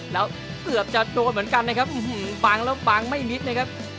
แล้วอืบจะโดนเหมือนกันนะครับอื้มหืมบางแล้วบางไม่มี้นนะครับ